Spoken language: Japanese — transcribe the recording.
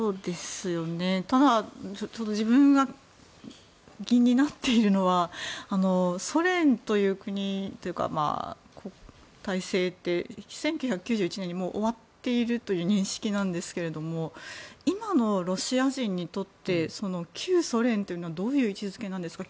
ただ自分が気になっているのはソ連という国というか、体制って１９９１年にもう終わっているという認識なんですけれども今のロシア人にとって旧ソ連というのはどういう位置づけなんですか。